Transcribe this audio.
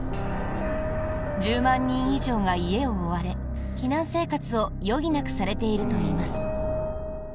１０万人以上が家を追われ避難生活を余儀なくされているといいます。